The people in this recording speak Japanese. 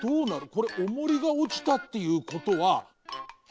これおもりがおちたっていうことは。